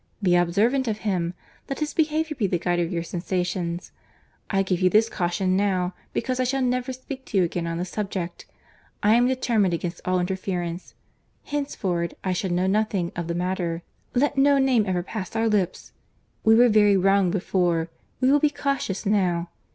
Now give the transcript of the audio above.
Be observant of him. Let his behaviour be the guide of your sensations. I give you this caution now, because I shall never speak to you again on the subject. I am determined against all interference. Henceforward I know nothing of the matter. Let no name ever pass our lips. We were very wrong before; we will be cautious now.